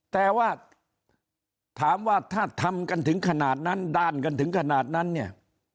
แต่ว่าถามว่าถ้าทำกันถึงขนาดนั้นด้านกันถึงขนาดนั้นเนี่ย